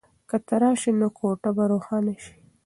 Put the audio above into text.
که ته راشې نو کوټه به روښانه شي.